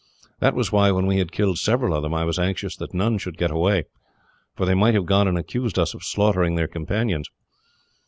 That was why, when we had killed several of them, I was anxious that none should get away, for they might have gone and accused us of slaughtering their companions."